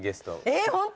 えっホント？